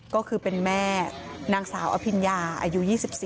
ก็คือเป็นแม่นางสาวอภิญญาอายุ๒๔